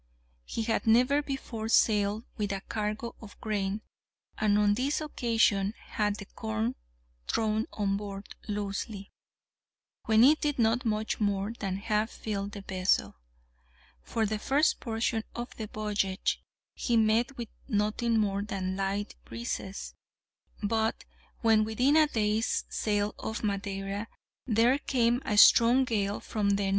He had never before sailed with a cargo of grain, and on this occasion had the corn thrown on board loosely, when it did not much more than half fill the vessel. For the first portion of the voyage he met with nothing more than light breezes; but when within a day's sail of Madeira there came on a strong gale from the N.